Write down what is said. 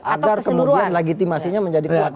agar kemudian legitimasinya menjadi kuat